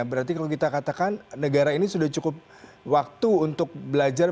berarti kalau kita katakan negara ini sudah cukup waktu untuk belajar